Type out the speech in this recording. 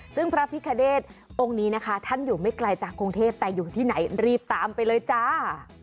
ซึ่งพระพิคเนธองค์นี้นะคะท่านอยู่ไม่ไกลจากกรุงเทพแต่อยู่ที่ไหนรีบตามไปเลยจ้า